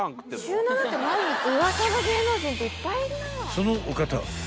［そのお方